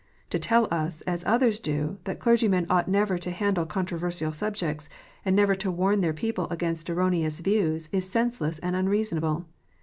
To tell us, as others do, that clergymen ought never to handle controversial subjects, and never to warn their people against erroneous views, is senseless and unreasonable.